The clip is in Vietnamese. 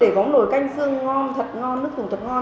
để võng nổi canh xương ngon thật ngon nước thủ thật ngon